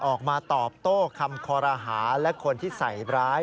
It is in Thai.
ออกมาตอบโต้คำคอรหาและคนที่ใส่ร้าย